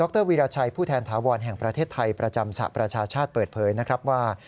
รวีรชัยผู้แทนถาวรแห่งประเทศไทยประจำสหประชาชาติเปิดเผยนะครับว่า